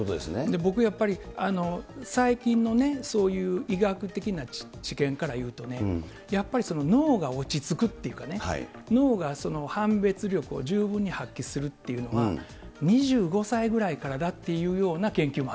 僕やっぱり、最近のね、そういう医学的な知見からいうとね、やっぱり脳が落ち着くというかね、脳が判別力を十分に発揮するっていうのは、２５歳ぐらいからだっなるほど。